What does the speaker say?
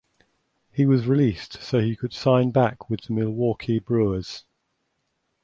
He was released so he could sign back with the Milwaukee Brewers.